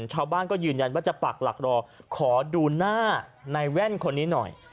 ชาวบ้านก็ยืนยันว่าจะปักหลักรอขอดูหน้าในแว่นคนนี้หน่อย